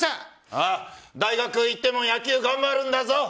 ああ、大学行っても野球頑張るんだぞ。